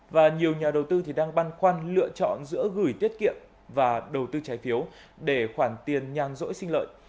và nhiều nhà đầu tư đang băn khoăn lựa chọn giữa gửi tiết kiệm và đầu tư trái phiếu để khoản tiền nhan rỗi sinh lợi